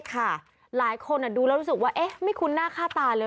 ดูแล้วรู้สึกว่าเอ๊ะไม่คุ้นหน้าค่าตาเลย